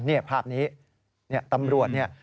เพราะรูปทราบนี้ตำรวจนี่